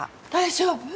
大丈夫？